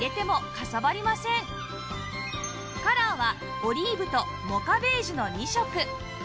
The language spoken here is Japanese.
カラーはオリーブとモカベージュの２色